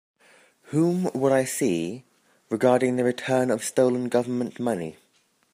Whom would I see regarding the return of stolen Government money?